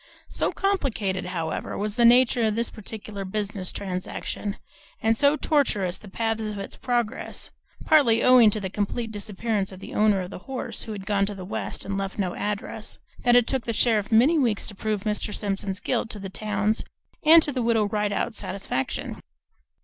So complicated, however, was the nature of this particular business transaction, and so tortuous the paths of its progress (partly owing to the complete disappearance of the owner of the horse, who had gone to the West and left no address), that it took the sheriff many weeks to prove Mr. Simpson's guilt to the town's and to the Widow Rideout's satisfaction.